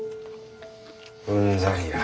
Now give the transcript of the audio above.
うんざりや。